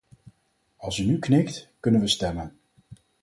Als u nu knikt, kunnen we stemmen.